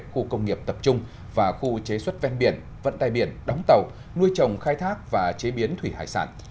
khu công nghiệp tập trung và khu chế xuất ven biển vận tay biển đóng tàu nuôi trồng khai thác và chế biến thủy hải sản